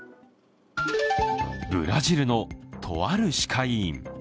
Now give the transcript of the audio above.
ブラジルのとある歯科医院。